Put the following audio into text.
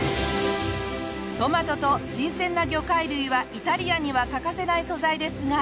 トマトと新鮮な魚介類はイタリアンには欠かせない素材ですが。